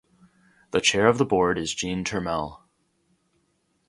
The Chair of the Board is Jean Turmel.